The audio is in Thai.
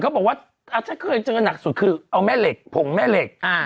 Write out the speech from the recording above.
อาจจะเคยเจอกันหนักสุดคือเอาแม่เหล็กผงแม่เหล็ก